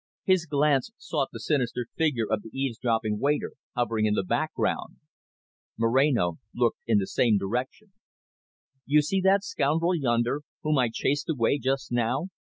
His glance sought the sinister figure of the eavesdropping waiter hovering in the background. Moreno looked in the same direction. "You see that scoundrel yonder, whom I chased away just now.